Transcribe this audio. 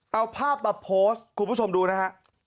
เอาภาพมาโพสต์คุณผู้ชมดูนะฮะ